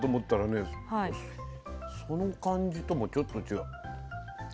その感じともちょっと違う。